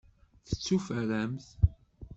Tekuferramt?